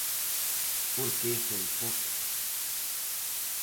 Por que ese enfoque?